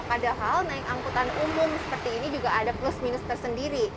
padahal naik angkutan umum seperti ini juga ada plus minus tersendiri